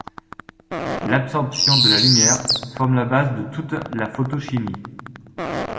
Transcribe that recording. L'absorption de la lumière forme la base de toute la photochimie.